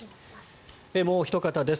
もうおひと方です。